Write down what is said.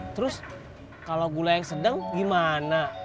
terus kalau gula yang sedang gimana